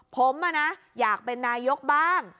ผมอ่ะนะอยากเป็นนายกบ้าง